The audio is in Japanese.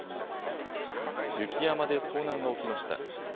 雪山で遭難が起きました。